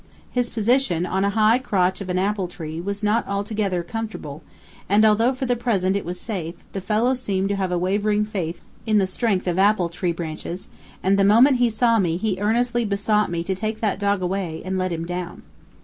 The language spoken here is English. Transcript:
His position, on a high crotch of an apple tree, was not altogether comfortable, and although, for the present, it was safe, the fellow seemed to have a wavering faith in the strength of apple tree branches, and the moment he saw me, he earnestly besought me to take that dog away, and let him down.